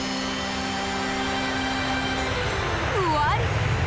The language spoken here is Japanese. ふわり！